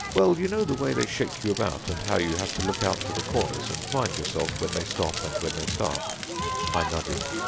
"Well, you know the way they shake you about, and how you have to look out for the corners, and mind yourself when they stop and when they start?" I nodded.